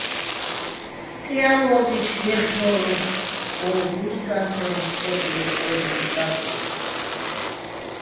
ტიალო̆, მიჩკ ჲეხნო́ლო̆ ო ბუზკანტეჼ პე́პლი ყე́გუჲნი ტარკი.